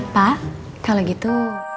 pak kalau gitu